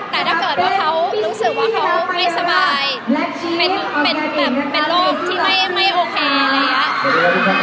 แต่ถ้าเกิดว่าเขารู้สึกว่าเขาไม่สบายเป็นแบบเป็นโรคที่ไม่โอเคอะไรอย่างนี้